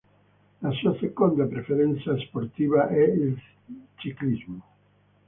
La sua seconda preferenza sportiva è il ciclismo.